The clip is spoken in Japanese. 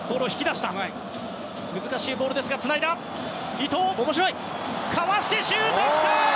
伊東、かわしてシュートきた！